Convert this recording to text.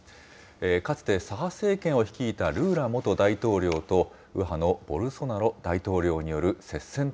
かつて左派政権を率いたルーラ元大統領と、右派のボルソナロ大統